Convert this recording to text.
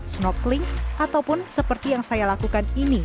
snorkeling ataupun seperti yang saya lakukan ini